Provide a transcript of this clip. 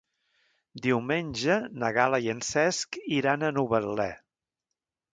Diumenge na Gal·la i en Cesc iran a Novetlè.